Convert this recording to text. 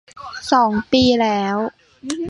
สองปีแล้ว